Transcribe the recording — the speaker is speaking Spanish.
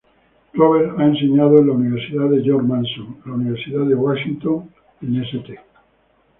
Roberts ha enseñado en la Universidad George Mason, la Universidad de Washington en St.